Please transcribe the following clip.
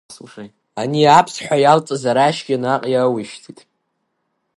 Ани аԥсҭҳәа иалҵыз арашьгьы наҟ иауишьҭит.